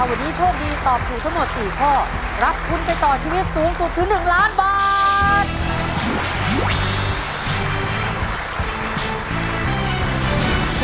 วันนี้โชคดีตอบถูกทั้งหมด๔ข้อรับทุนไปต่อชีวิตสูงสุดถึง๑ล้านบาท